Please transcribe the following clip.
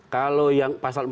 kalau yang pasal